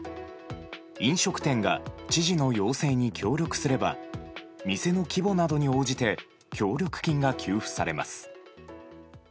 飲食店が知事の要請に協力すれば店の規模などに応じて協力金が給付されます。